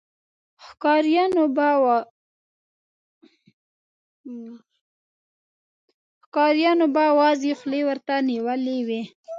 ښکاريانو به وازې خولې ورته نيولې وې.